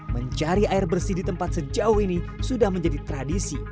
mencari air bersih di tempat sejauh ini sudah menjadi tradisi